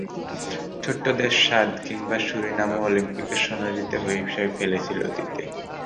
ছোট্ট দেশ শাদ কিংবা সুরিনামও অলিম্পিকে সোনা জিতে হইচই ফেলেছিল অতীতে।